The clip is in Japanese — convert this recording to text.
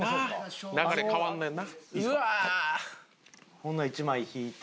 ほんなら１枚引いて。